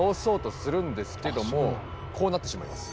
こうなってしまいます。